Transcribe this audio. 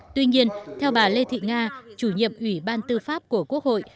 tuy nhiên theo bà lê thị nga chủ nhiệm ủy ban tư pháp của quốc hội